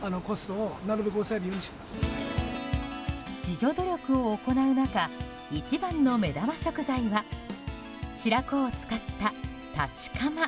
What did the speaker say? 自助努力を行う中一番の目玉食材は白子を使った、たちかま。